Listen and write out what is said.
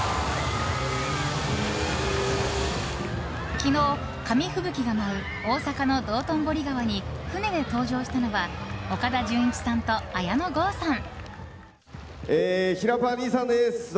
昨日、紙吹雪が舞う大阪の道頓堀川に船で登場したのは岡田准一さんと綾野剛さん。